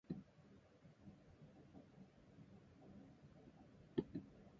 Politics does not belong in entertainment.